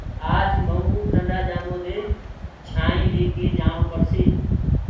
آج مئونٚ ٽندآ جآمو دي ڪآئينٚ ليڪي جآڻو پڙسيٚ